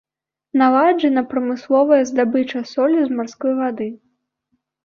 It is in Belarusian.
Наладжана прамысловая здабыча солі з марской вады.